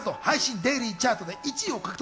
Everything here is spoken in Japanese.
デイリーチャートで１位を獲得。